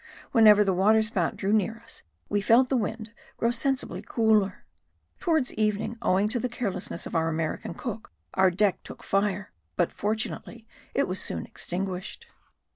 Whenever the waterspout drew near us we felt the wind grow sensibly cooler. Towards evening, owing to the carelessness of our American cook, our deck took fire; but fortunately it was soon extinguished.